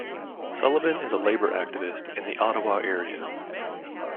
Sullivan is a labour activist in the Ottawa area.